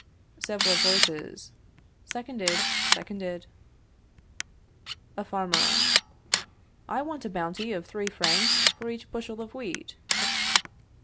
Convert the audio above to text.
"Several Voices. Seconded, seconded. "A Farmer. I want a bounty of three francs for each bushel of wheat.